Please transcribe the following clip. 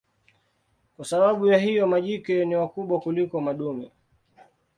Kwa sababu ya hiyo majike ni wakubwa kuliko madume.